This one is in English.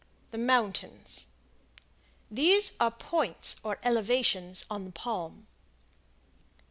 The Mountains. These are points or elevations on the palm.